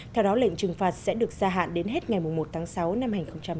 trừng phạt sẽ được gia hạn đến hết ngày một tháng sáu năm hai nghìn một mươi tám